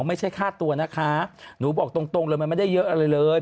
ไม่ใช่ค่าตัวนะคะหนูบอกตรงเลยมันไม่ได้เยอะอะไรเลย